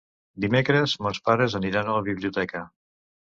Dimecres mons pares aniran a la biblioteca.